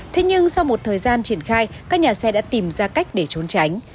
thế nhưng sau một thời gian triển khai các nhà xe đã tìm ra cách để trốn tránh